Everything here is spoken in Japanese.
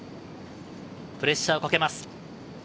プレッシャーをかけます。